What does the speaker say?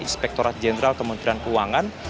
inspektorat jenderal kementerian keuangan